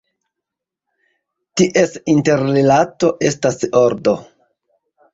Ties interrilato estas ordo.